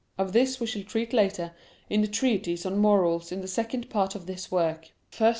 Of this we shall treat later in the treatise on Morals in the second part of this work (I II, Q.